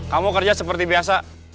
kamu kerja seperti biasa